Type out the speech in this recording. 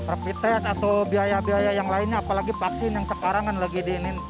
repitest atau biaya biaya yang lainnya apalagi vaksin yang sekarang kan lagi di ini